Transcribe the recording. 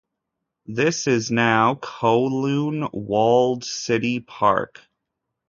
This is now Kowloon Walled City Park.